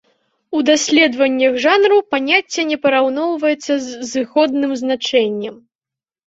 У даследаваннях жанру паняцце не параўноўваецца з зыходным значэннем.